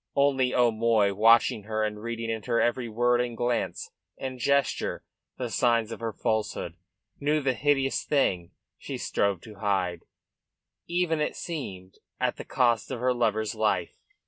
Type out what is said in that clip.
Only O'Moy, watching her and reading in her every word and glance and gesture the signs of her falsehood, knew the hideous thing she strove to hide, even, it seemed, at the cost of her lover's life.